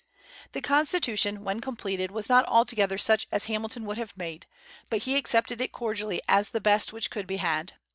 The Constitution when completed was not altogether such as Hamilton would have made, but he accepted it cordially as the best which could be had.